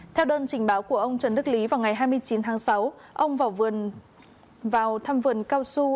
theo đơn trình báo của ông trần đức lý vào ngày hai mươi chín tháng sáu ông vào vườn vào thăm vườn cao su